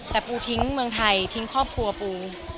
แต่ปูทิ้งเมืองไทยทิ้งครอบครัวปู